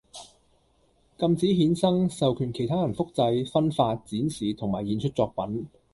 禁止衍生，授權其他人複製，分發，展示同埋演出作品